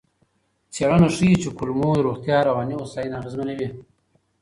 څېړنه ښيي چې کولمو روغتیا رواني هوساینه اغېزمنوي.